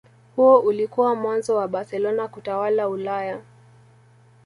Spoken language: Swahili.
Huo ulikuwa mwanzo wa Barcelona kutawala Ulaya